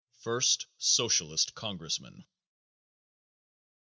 _First Socialist Congressman.